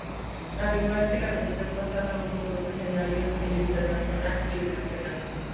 Al igual que la versión pasada, hubo dos escenarios, el internacional y el nacional.